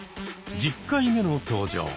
１０回目の登場。